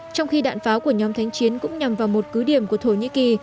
trong khi đạn pháo của nhóm thanh chiến cũng nhằm vào một cứ điểm của thổ nhĩ kỳ